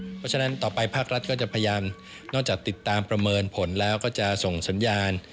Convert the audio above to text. เพราะฉะนั้นต่อไปภาครัฐก็จะพยายามนอกจากติดตามประเมินผลแล้วก็จะส่งสัญญาณ